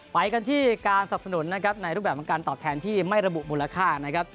ไปกันที่การสับสนุนนะครับในรูปแบบของการตอบแทนที่ไม่ระบุมูลค่านะครับ